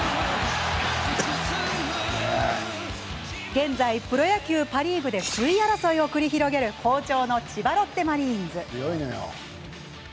現在、プロ野球パ・リーグで首位争いを繰り広げる好調の千葉ロッテマリーンズ。